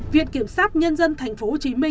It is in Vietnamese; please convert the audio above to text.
viện kiểm sát nhân dân tp hcm